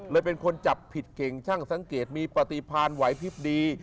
เลยเป็นคนจับผิดเก่งช่างสังเกตมีปฏิพรรณไหวภิพธิ์ดี